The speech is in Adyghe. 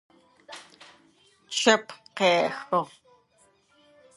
Чъэп къехыгъ.